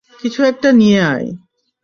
কিছু একটা নিয়ে আয়।